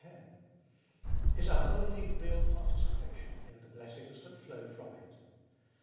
10), is our only real participation in the blessings that flow from it.